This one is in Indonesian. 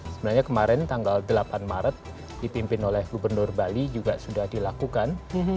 sebenarnya kemarin tanggal delapan maret dipimpin oleh gubernur bali juga sudah dilakukan